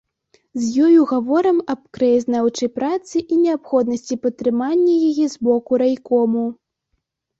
З ёю гаворым аб краязнаўчай працы і неабходнасці падтрымання яе з боку райкому.